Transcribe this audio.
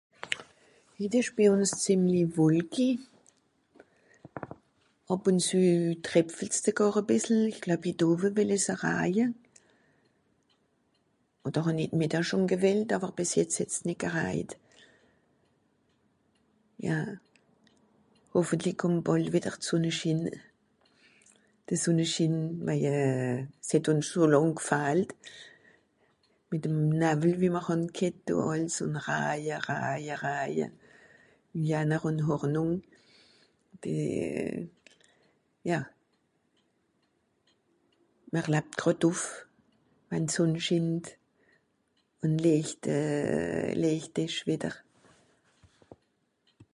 Hitt ìsch bi ùns zìemli Wolki, àb ùn zü trepfelt's sogàr e bìssel, i glab hitt Owe wìlle sa Raje, odder hàn hitt midda schon gewìllt, àwer bìs jetz het's nìt gerajt. Ja... hoffentli kùmmt bàll wìdder d'Sùnneschin, d'Sùnneschin, waje, s'het ùns schon lànge gfahlt mìt'm Nawwel, wie mr hàn ghet do (...) Raje, Raje, Raje, Janner ùn Hornung. Euh... Ja, mr labt gràd ùf, wenn d'Sùnne schint, ùn Liecht euh... Liecht ìsch wìdder.